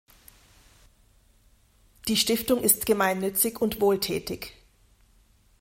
Die Stiftung ist gemeinnützig und wohltätig.